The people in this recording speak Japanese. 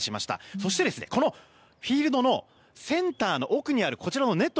そして、このフィールドのセンターの奥にあるこちらのネット